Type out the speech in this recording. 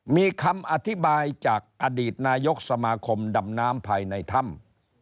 มีคำอธิบายจากอดีตนายกสมาคมดำน้ำภายในถ้ำ